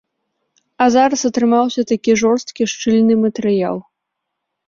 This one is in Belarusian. А зараз атрымаўся такі жорсткі шчыльны матэрыял.